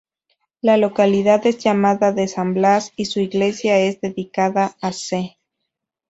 La localidad es llamada de San Blas, y su iglesia es dedicada a se.